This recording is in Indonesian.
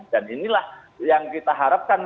dan inilah yang kita harapkan